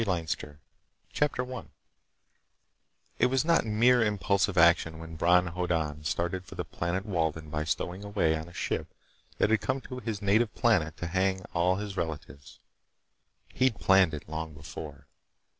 Illustrated by Freas I It was not mere impulsive action when Bron Hoddan started for the planet Walden by stowing away on a ship that had come to his native planet to hang all his relatives. He'd planned it long before.